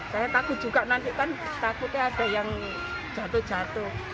saya takut juga nanti kan takutnya ada yang jatuh jatuh